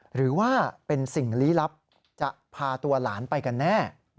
หรือว่าเป็นสิ่งลี้ลับจะพาตัวหลานไปกันแน่